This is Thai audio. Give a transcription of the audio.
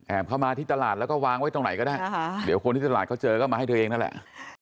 เข้ามาที่ตลาดแล้วก็วางไว้ตรงไหนก็ได้เดี๋ยวคนที่ตลาดเขาเจอก็มาให้เธอเองนั่นแหละ